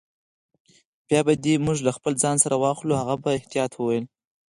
بیا به دي موږ له خپل ځان سره واخلو. هغه په احتیاط وویل.